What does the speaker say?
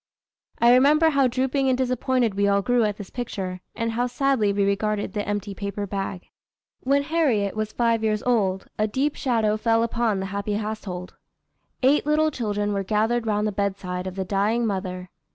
I remember how drooping and disappointed we all grew at this picture, and how sadly we regarded the empty paper bag." When Harriet was five years old, a deep shadow fell upon the happy household. Eight little children were gathered round the bedside of the dying mother.